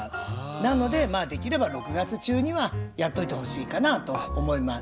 なのでできれば６月中にはやっておいてほしいかなと思います。